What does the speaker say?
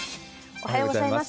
おはようございます。